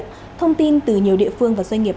tuy nhiên thông tin từ nhiều địa phương và doanh nghiệp